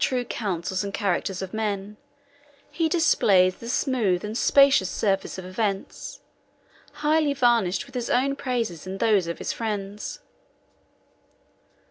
Instead of unfolding the true counsels and characters of men, he displays the smooth and specious surface of events, highly varnished with his own praises and those of his friends.